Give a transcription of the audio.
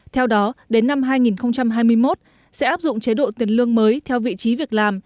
theo đó đến năm hai nghìn hai mươi một sẽ áp dụng chế độ tiền lương mới theo vị trí việc làm